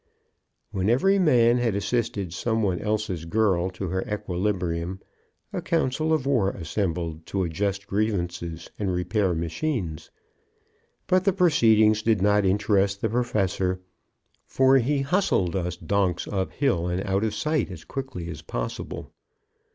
When every man had assisted some one else's girl to her equilibrium, a council of war assembled to adjust grievances and repair machines; but the proceedings did not interest the Professor, for he hustled us donks up hill and out of sight as quickly as possible.